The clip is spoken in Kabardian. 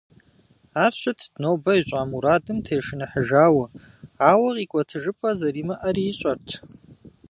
Ар щытт нобэ ищӏа мурадым тешыныхьыжауэ, ауэ къикӏуэтыжыпӏэ зэримыӏэри ищӏэрт.